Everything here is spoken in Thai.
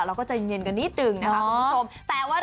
เราก็เจ๋งเย็นกันนิดหนึ่งนะครับคุณผู้ชมแต่ว่า